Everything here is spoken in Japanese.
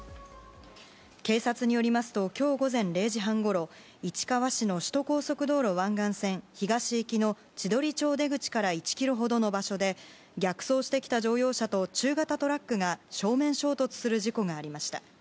警察によりますと今日午前０時半ごろ市川市の首都高速道路湾岸線東行きの千鳥町出口から１ｋｍほどの場所で逆走してきた乗用車と中型トラックが正面衝突する事故がありました。